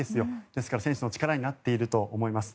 ですから選手の力になっていると思います。